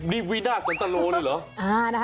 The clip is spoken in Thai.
นี่วินาทสันตะโลเลยเหรอ